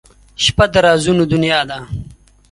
• شپه د رازونو دنیا ده.